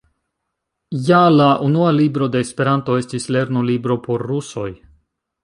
Ja la unua libro de Esperanto estis lerno-libro por rusoj.